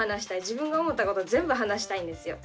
自分が思ったこと全部話したいんですよ。